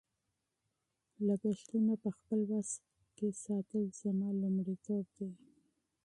د مصرف کنټرول زما لومړیتوب دی.